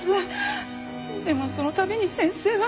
でもそのたびに先生は。